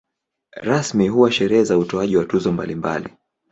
Rasmi huwa sherehe za utoaji wa tuzo mbalimbali.